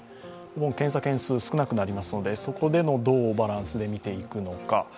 検査件数、少なくなりますのでそこでの、どうバランスを見ていくのか。